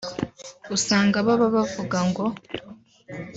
usanga baba bavuga ngo